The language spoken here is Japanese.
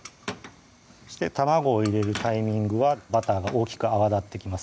卵を入れるタイミングはバターが大きく泡立ってきます